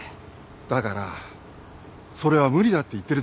だからそれは無理だって言ってるでしょ。